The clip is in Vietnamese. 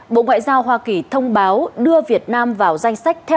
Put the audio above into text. đó là phần trình bày của biên tập viên nam hà